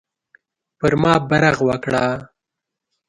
پر ما برغ وکړه.